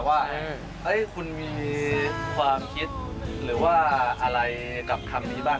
ว่าคุณมีความคิดหรือว่าอะไรกับคำนี้บ้าง